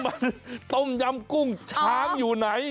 มันต้มยำกุ้งช้างอยู่ไหน